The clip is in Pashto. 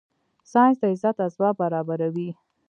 ساینس د عزت اسباب برابره وي